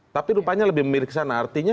tapi rupanya lebih mirip kesana artinya